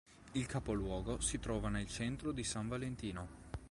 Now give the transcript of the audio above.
Il capoluogo si trova nel centro di San Valentino.